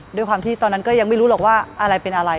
ด้วยความที่ตอนนั้นก็ยังไม่รู้หรอกว่าอะไรเป็นอะไร